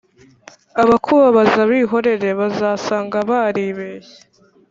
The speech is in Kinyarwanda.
abakubabaza bihorere bazasanga baribeshye